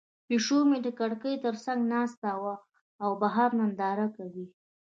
پیشو مې د کړکۍ تر څنګ ناسته وي او بهر ننداره کوي.